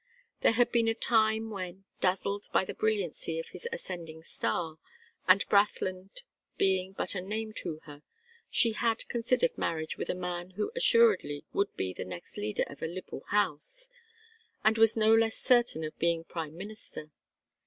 There had been a time when, dazzled by the brilliancy of his ascending star, and Brathland being but a name to her, she had considered marriage with a man who assuredly would be the next leader of a Liberal House, and was no less certain of being prime minister.